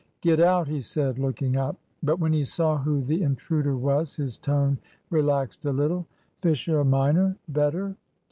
"Get out!" he said, looking up. But when he saw who the intruder was his tone relaxed a little. "Fisher minor? Better?"